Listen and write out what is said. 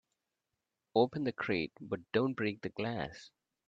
Open the crate but don't break the glass.